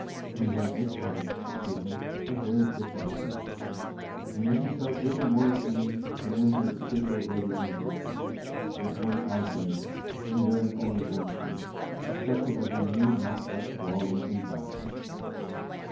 He had this time, to cheer him, a very different greeting; and yet he felt little more at ease than when he had stood there late at night before, with one eye bandaged and wearing only one shoe, suspected of he knew not what brawling and violence.